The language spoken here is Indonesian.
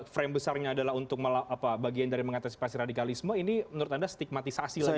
frame besarnya adalah untuk bagian dari mengantisipasi radikalisme ini menurut anda stigmatisasi lagi